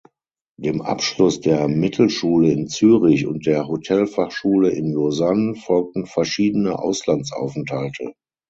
Dem Abschluss der Mittelschule in Zürich und der Hotelfachschule in Lausanne folgten verschiedene Auslandsaufenthalte.